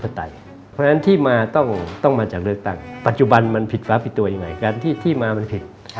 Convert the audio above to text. เพราะฉะนั้นที่มาต้องมาจากเลือกตั้งปัจจุบันมันผิดฟ้าผิดตัวยังไงการที่มามันผิด